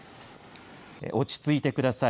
落ち着いてください。